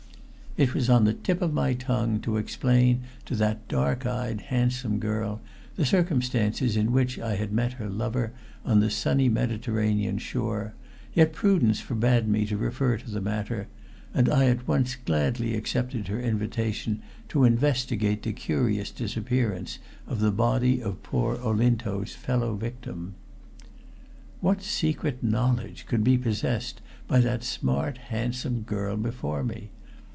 It was on the tip of my tongue to explain to that dark eyed, handsome girl the circumstances in which I had met her lover on the sunny Mediterranean shore, yet prudence forbade me to refer to the matter, and I at once gladly accepted her invitation to investigate the curious disappearance of the body of poor Olinto's fellow victim. What secret knowledge could be possessed by that smart, handsome girl before me?